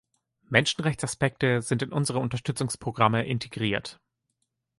Menschenrechtsaspekte sind in unsere Unterstützungsprogramme integriert.